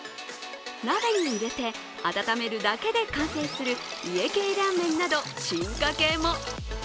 鍋に入れて温めるだけで完成する家系ラーメンなど進化系も。